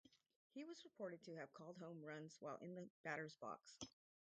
He was reported to have called home runs while in the batter's box.